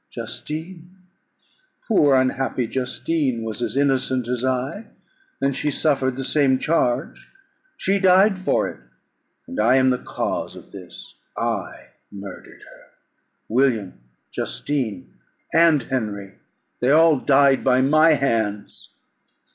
Justine, poor unhappy Justine, was as innocent as I, and she suffered the same charge; she died for it; and I am the cause of this I murdered her. William, Justine, and Henry they all died by my hands."